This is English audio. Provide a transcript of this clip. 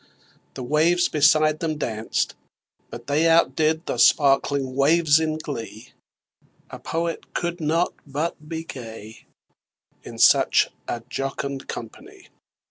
The waves beside them danced; but they Out did the sparkling waves in glee: A Poet could not but be gay In such a jocund company!